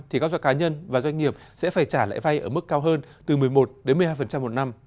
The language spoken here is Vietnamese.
thì các doanh cá nhân và doanh nghiệp sẽ phải trả lãi vay ở mức cao hơn từ một mươi một một mươi hai một năm